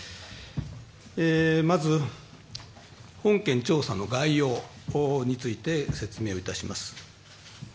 まず、本件調査の概要について説明をいたします。